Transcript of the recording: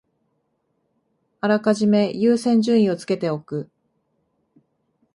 あらかじめ優先順位をつけておく